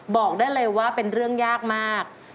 บอกได้เลยว่าเป็นเรื่องยากมาก